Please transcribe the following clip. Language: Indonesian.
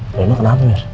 lainnya kenapa mir